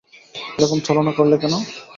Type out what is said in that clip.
এরকম ছলনা করলে কেন?